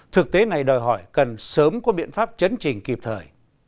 thực tế này đòi hỏi cần sớm có biện pháp chấn trình kịp thời